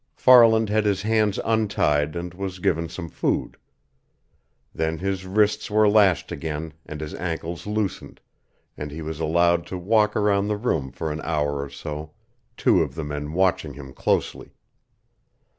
Farland had his hands untied and was given some food. Then his wrists were lashed again and his ankles loosened, and he was allowed to walk around the room for an hour or so, two of the men watching him closely.